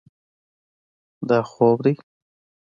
دا خوب ده.